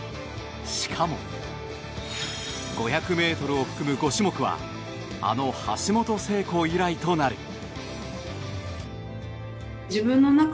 しかも、５００ｍを含む５種目はあの橋本聖子以来となる。